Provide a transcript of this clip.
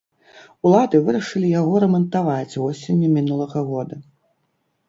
Улады вырашылі яго рамантаваць восенню мінулага года.